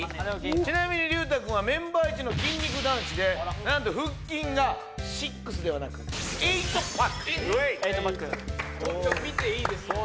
ちなみに隆太くんはメンバーいちの筋肉男子でなんと腹筋が６ではなく８パックえっ見ていいですか？